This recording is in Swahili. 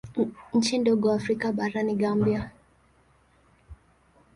Nchi ndogo Afrika bara ni Gambia.